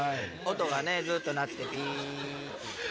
音がねずっと鳴ってピって。